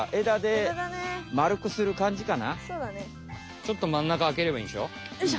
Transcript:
ちょっと真ん中あければいいんでしょ？